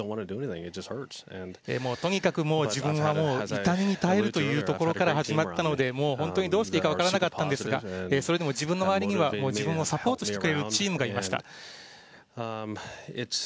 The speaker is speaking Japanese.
とにかく自分は痛みに耐えるというところから始まったので本当にどうしていいか分からなかったんですが、自分の周りには自分をサポートしてくれるチームがいました。